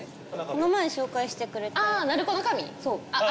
この前紹介してくれたあ